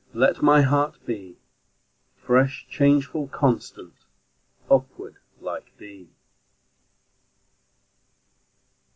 Let my heart be Fresh, changeful, constant, Upward, like thee!